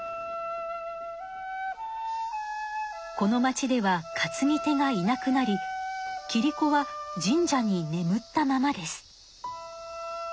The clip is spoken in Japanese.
この町では担ぎ手がいなくなりキリコは神社にねむったままです。